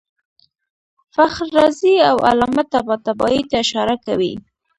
فخر رازي او علامه طباطبايي ته اشاره کوي.